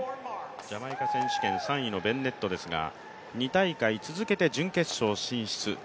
ジャマイカ選手権３位のベンネットですが２大会続けて準決勝進出。